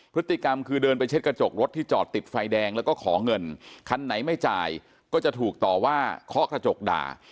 พฤติกรรมคือเดินไปเช็ดกระจกรถที่จอดติดไฟแดงแล้วก็ขอเงินคันไหนไม่จ่ายก็จะถูกต่อว่าเคาะกระจกด่า